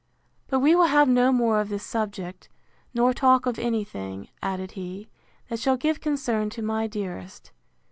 —But we will have no more of this subject, nor talk of any thing, added he, that shall give concern to my dearest.